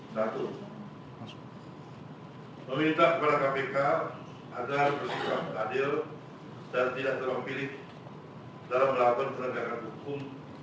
satu meminta kepada kpk agar bersikap adil dan tidak terwakili dalam melakukan penegakan hukum